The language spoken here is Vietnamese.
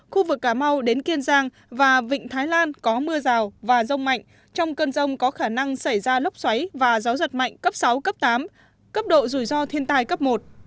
khu vực cà mau đến kiên giang và vịnh thái lan có mưa rào và rông mạnh trong cơn rông có khả năng xảy ra lốc xoáy và gió giật mạnh cấp sáu cấp tám cấp độ rủi ro thiên tai cấp một